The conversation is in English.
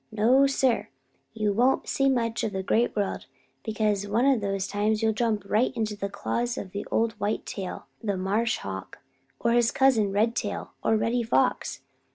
"No, Sir, you won't see much of the Great World, because one of these times you'll jump right into the claws of old Whitetail the Marsh Hawk, or his cousin Redtail, or Reddy Fox.